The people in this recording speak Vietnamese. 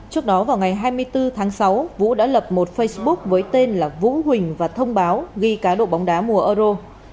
trước đó vào ngày hai mươi bốn tháng sáu vũ đã lập một facebook với tên là vũ huỳnh và thông báo ghi cá độ bóng đá mùa euro